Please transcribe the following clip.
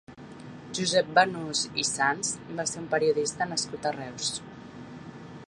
Josep Banús i Sans va ser un periodista nascut a Reus.